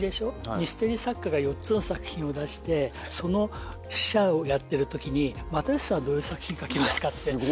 ミステリー作家が４つの作品を出してその試写をやってるときに又吉さんはどういう作品書きますか？